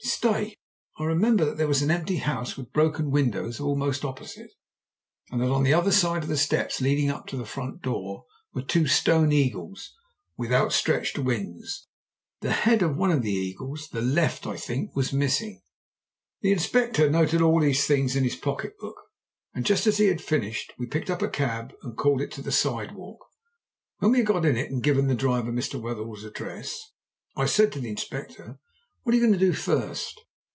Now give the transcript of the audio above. "Stay! I remember that there was an empty house with broken windows almost opposite, and that on either side of the steps leading up to the front door were two stone eagles with out stretched wings. The head of one of the eagles the left, I think was missing." The Inspector noted these things in his pocket book, and just as he had finished we picked up a cab and called it to the side walk. When we had got in and given the driver Mr. Wetherell's address, I said to the Inspector "What are you going to do first?"